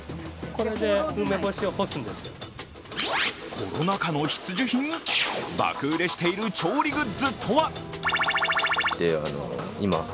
コロナ禍の必需品、バク売れしている調理グッズとは？